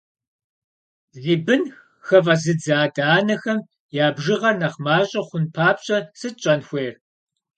Зи бын хыфӏэзыдзэ адэ-анэхэм я бжыгъэр нэхъ мащӏэ хъун папщӏэ сыт щӏэн хуейр?